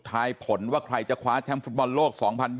ทายผลว่าใครจะคว้าแชมป์ฟุตบอลโลก๒๐๒๐